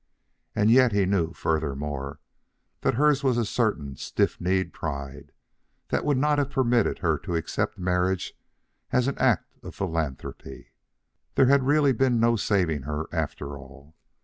And yet he knew, furthermore, that hers was a certain stiff kneed pride that would not have permitted her to accept marriage as an act of philanthropy. There had really been no saving her, after all.